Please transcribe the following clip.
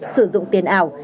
sử dụng tiền ảo